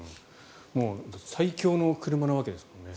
最強の車なわけですもんね。